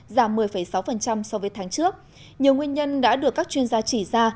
giảm một mươi sáu so với tháng trước nhiều nguyên nhân đã được các chuyên gia chỉ ra